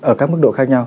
ở các mức độ khác nhau